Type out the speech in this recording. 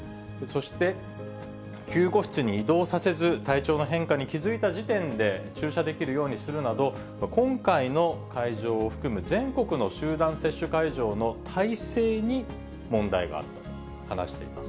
そして、救護室に移動させず、体調の変化に気付いた時点で注射できるようにするなど、今回の会場を含む全国の集団接種会場の体制に問題があったと話し